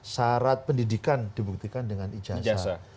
syarat pendidikan dibuktikan dengan ijazah